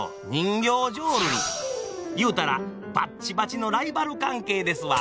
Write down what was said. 言うたらバッチバチのライバル関係ですわ。